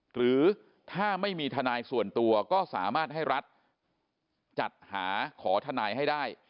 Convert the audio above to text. หรือถ้าไม่มีทนายส่วนตัวก็สามารถให้รัฐจัดหาขอทนายให้ได้